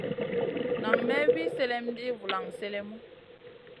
Nan may wi sèlèm ɗi vulan sélèmu.